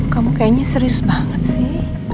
kamu kayaknya serius banget sih